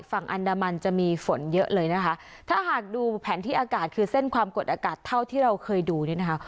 ฝั่งอันดามันจะมีฝนเยอะเลยนะคะถ้าหากดูแผนที่อากาศคือเส้นความกดอากาศเท่าที่เราเคยดูเนี่ยนะคะ